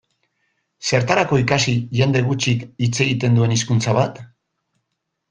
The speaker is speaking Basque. Zertarako ikasi jende gutxik hitz egiten duen hizkuntza bat?